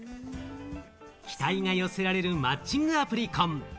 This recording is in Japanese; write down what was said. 期待が寄せられるマッチングアプリ婚。